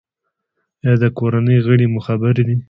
ایا د کورنۍ غړي مو خبر دي؟